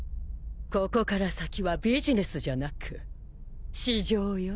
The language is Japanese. ここから先はビジネスじゃなく私情よ。